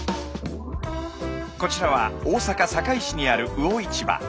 こちらは大阪・堺市にある魚市場。